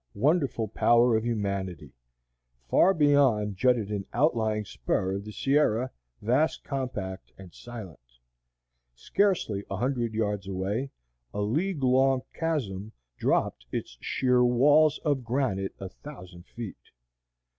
Wonderful power of humanity! Far beyond jutted an outlying spur of the Sierra, vast, compact, and silent. Scarcely a hundred yards away, a league long chasm dropped its sheer walls of granite a thousand feet.